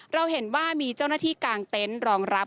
เราเห็นว่ามีเจ้าหน้าที่กางเต็นต์รองรับ